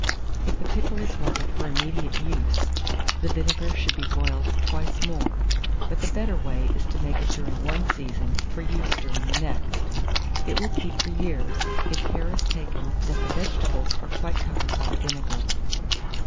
If the pickle is wanted for immediate use, the vinegar should be boiled twice more, but the better way is to make it during one season for use during the next. It will keep for years, if care is taken that the vegetables are quite covered by the vinegar.